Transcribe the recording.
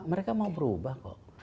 mereka mau berubah kok